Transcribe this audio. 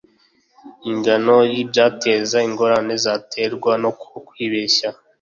ingano y ibyateza ingorane zaterwa no kwibeshya